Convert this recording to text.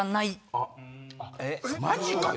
マジかよ！